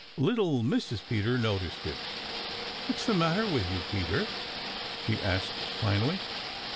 Little Mrs. Peter noticed it. "What's the matter with you, Peter?" she asked finally.